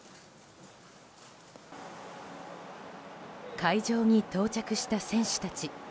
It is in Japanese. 会場に到着した選手たち。